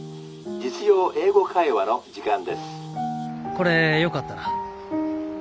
これよかったら。